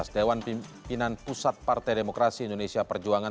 dewan pimpinan pusat partai demokrasi indonesia perjuangan